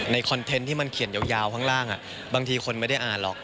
คอนเทนต์ที่มันเขียนยาวข้างล่างบางทีคนไม่ได้อ่านหรอก